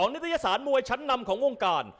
นิตยสารมวยชั้นนำของวงการ